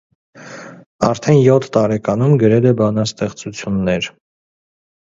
Արդեն յոթ տարեկանում գրել է բանաստեղծություններ։